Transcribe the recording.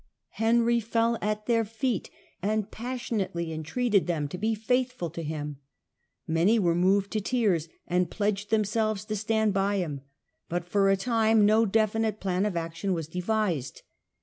Henry fell at their feet and passionately entreated them to be faithful to him ; many were moved to tears, and pledged them selves to stand by him, but for a time no definite plan of action was devised.